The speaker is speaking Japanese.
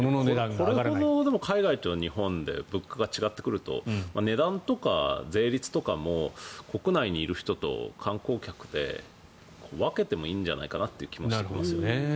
これほど海外と日本で物価が違ってくると値段とか税率とかも国内にいる人と観光客で分けてもいいんじゃないかなという気もしますよね。